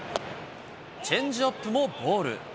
チェンジアップもボール。